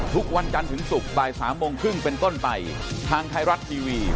สวัสดีครับ